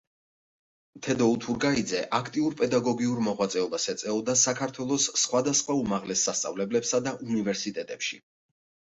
თედო უთურგაიძე აქტიურ პედაგოგიურ მოღვაწეობას ეწეოდა საქართველოს სხვადასხვა უმაღლეს სასწავლებლებსა და უნივერსიტეტებში.